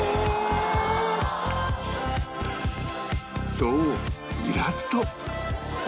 そうイラスト！